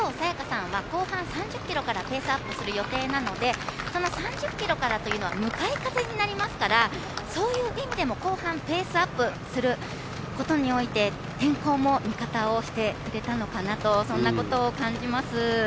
也伽さんは後半３０キロからペースアップする予定なのでその３０キロからというのは向かい風になりますからそういう意味でも後半ペースアップすることによって天候も味方をしてくれたのかなとそんなことを感じます。